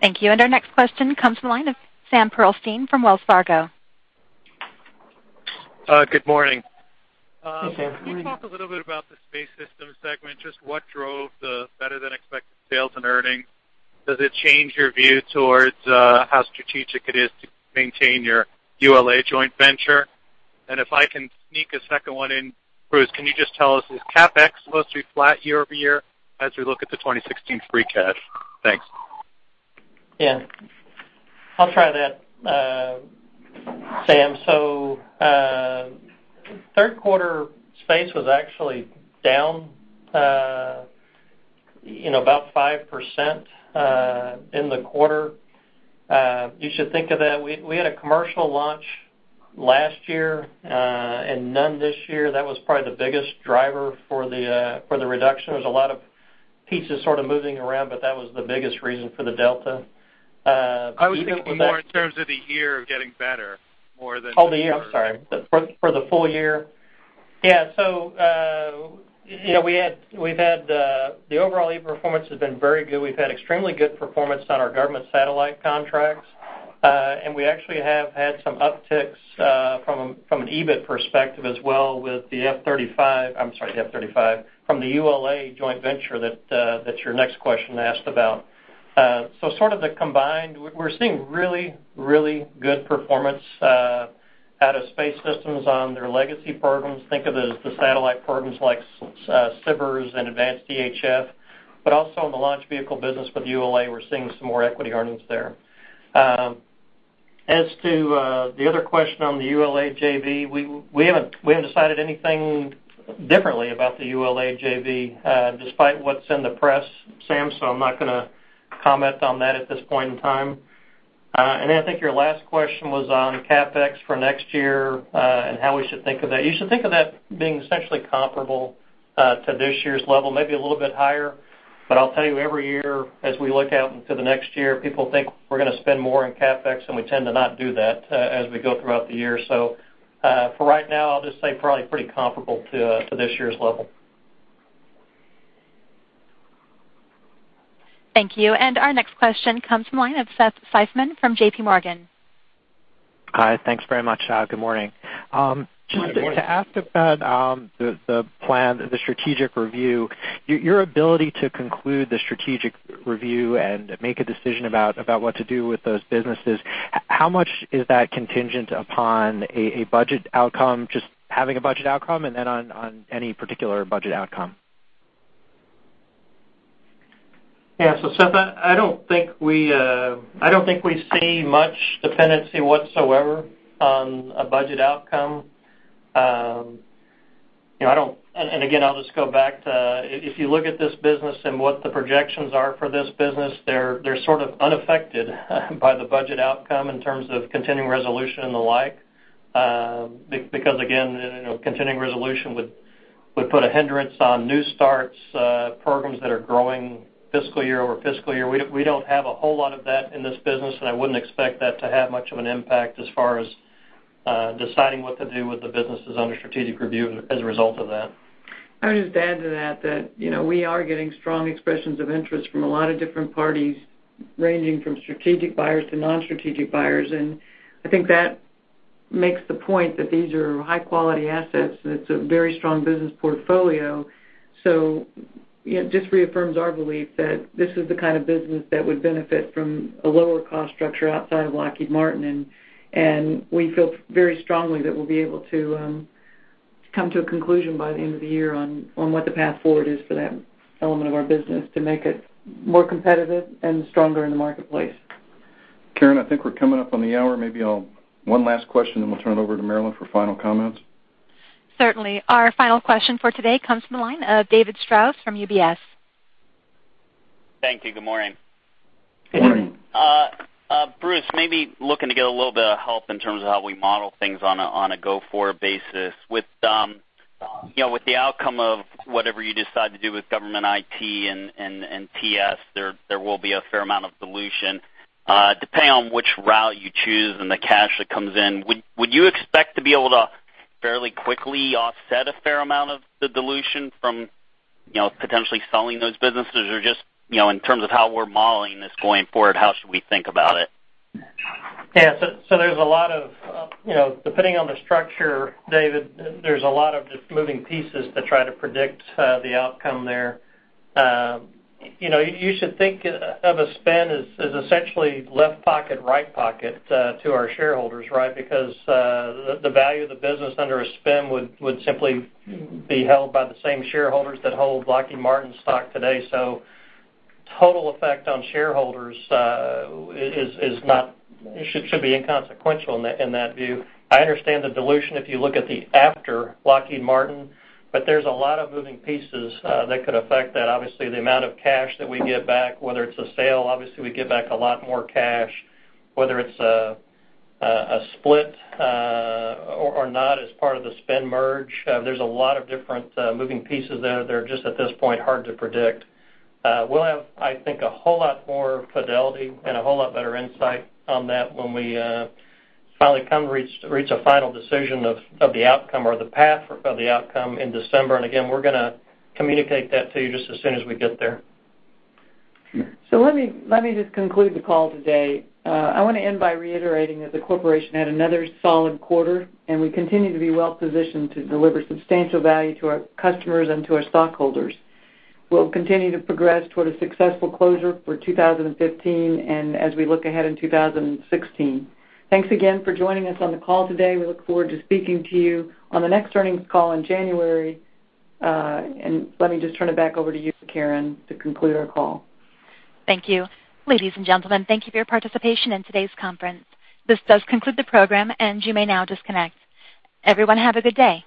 Thank you. Our next question comes from the line of Sam Pearlstein from Wells Fargo. Good morning. Good morning. Can you talk a little bit about the Space Systems segment, just what drove the better than expected sales and earnings? Does it change your view towards how strategic it is to maintain your ULA joint venture? If I can sneak a second one in, Bruce, can you just tell us, is CapEx supposed to be flat year-over-year as we look at the 2016 free cash? Thanks. I'll try that, Sam. Third quarter Space was actually down about 5% in the quarter. You should think of that. We had a commercial launch last year, and none this year. That was probably the biggest driver for the reduction. There was a lot of pieces sort of moving around, but that was the biggest reason for the delta. I was thinking more in terms of the year getting better more than. Oh, the year. I'm sorry. For the full year. Yeah. The overall EBIT performance has been very good. We've had extremely good performance on our government satellite contracts. We actually have had some upticks from an EBIT perspective as well with the F-35, I'm sorry, the F-35, from the ULA joint venture that your next question asked about. Sort of the combined, we're seeing really, really good performance out of Space Systems on their legacy programs. Think of it as the satellite programs like SBIRS and Advanced EHF, but also in the launch vehicle business with ULA, we're seeing some more equity earnings there. As to the other question on the ULA JV, we haven't decided anything differently about the ULA JV, despite what's in the press, Sam. I'm not going to comment on that at this point in time. I think your last question was on CapEx for next year, and how we should think of that. You should think of that being essentially comparable to this year's level, maybe a little bit higher. I'll tell you every year, as we look out into the next year, people think we're going to spend more on CapEx, and we tend to not do that as we go throughout the year. For right now, I'll just say probably pretty comparable to this year's level. Thank you. Our next question comes from the line of Seth Seifman from J.P. Morgan. Hi. Thanks very much. Good morning. Good morning. Just to ask about the plan, the strategic review, your ability to conclude the strategic review and make a decision about what to do with those businesses, how much is that contingent upon a budget outcome, just having a budget outcome, and on any particular budget outcome? Seth, I don't think we see much dependency whatsoever on a budget outcome. Again, I'll just go back to, if you look at this business and what the projections are for this business, they're sort of unaffected by the budget outcome in terms of Continuing Resolution and the like. Again, Continuing Resolution would put a hindrance on new starts, programs that are growing fiscal year-over-fiscal year. We don't have a whole lot of that in this business, and I wouldn't expect that to have much of an impact as far as deciding what to do with the businesses under strategic review as a result of that. I would just add to that we are getting strong expressions of interest from a lot of different parties, ranging from strategic buyers to non-strategic buyers. I think that makes the point that these are high-quality assets, and it's a very strong business portfolio. It just reaffirms our belief that this is the kind of business that would benefit from a lower cost structure outside of Lockheed Martin. We feel very strongly that we'll be able to come to a conclusion by the end of the year on what the path forward is for that element of our business to make it more competitive and stronger in the marketplace. Karen, I think we're coming up on the hour. Maybe one last question, then we'll turn it over to Marillyn for final comments. Certainly. Our final question for today comes from the line of David Strauss from UBS. Thank you. Good morning. Good morning. Bruce, maybe looking to get a little bit of help in terms of how we model things on a go-forward basis. With the outcome of whatever you decide to do with government IT and TS, there will be a fair amount of dilution. Depending on which route you choose and the cash that comes in, would you expect to be able to fairly quickly offset a fair amount of the dilution from potentially selling those businesses? Or just, in terms of how we're modeling this going forward, how should we think about it? Yeah. Depending on the structure, David, there's a lot of just moving pieces to try to predict the outcome there. You should think of a spin as essentially left pocket, right pocket to our shareholders, right? Because the value of the business under a spin would simply be held by the same shareholders that hold Lockheed Martin stock today. Total effect on shareholders should be inconsequential in that view. I understand the dilution if you look at the after Lockheed Martin, there's a lot of moving pieces that could affect that. Obviously, the amount of cash that we give back, whether it's a sale, obviously, we give back a lot more cash. Whether it's a split or not as part of the spin merge. There's a lot of different moving pieces there that are just at this point, hard to predict. We'll have, I think, a whole lot more fidelity and a whole lot better insight on that when we finally reach a final decision of the outcome or the path of the outcome in December. Again, we're going to communicate that to you just as soon as we get there. Let me just conclude the call today. I want to end by reiterating that the corporation had another solid quarter, and we continue to be well positioned to deliver substantial value to our customers and to our stockholders. We'll continue to progress toward a successful closure for 2015 and as we look ahead in 2016. Thanks again for joining us on the call today. We look forward to speaking to you on the next earnings call in January. Let me just turn it back over to you, Karen, to conclude our call. Thank you. Ladies and gentlemen, thank you for your participation in today's conference. This does conclude the program, and you may now disconnect. Everyone, have a good day.